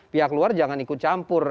pihak luar jangan ikut campur